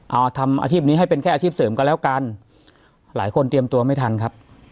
เอาทำอาชีพนี้ให้เป็นแค่อาชีพเสริมก็แล้วกันหลายคนเตรียมตัวไม่ทันครับ